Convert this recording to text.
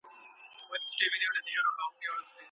واعظان بايد له حق ويلو څخه ونه ډاريږي.